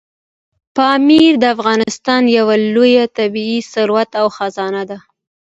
پامیر د افغانستان یو لوی طبعي ثروت او خزانه ده.